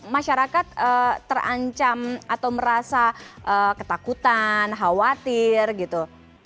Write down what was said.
masyarakat terancam atau merasa ketakutan khawatir gitu